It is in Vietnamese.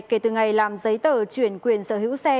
kể từ ngày làm giấy tờ chuyển quyền sở hữu xe